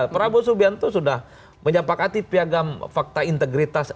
prabowo subianto sudah menyepakati piagam fakta integritas